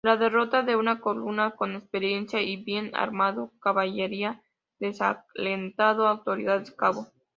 La derrota de una columna con experiencia y bien armado caballería desalentado autoridades Cabo.